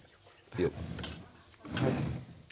よっ！